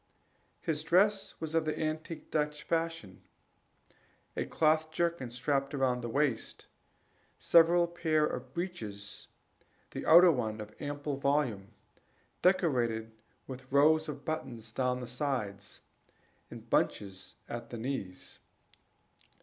His dress was of the antique Dutch fashion: a cloth jerkin strapped round the waist, several pairs of breeches, the outer one of ample volume, decorated with rows of buttons down the sides, and bunches at the knees.